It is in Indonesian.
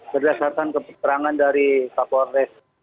berdasarkan keterangan dari kapolres